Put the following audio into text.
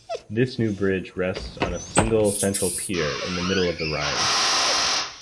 This new bridge rests on a single central pier in the middle of the Rhine.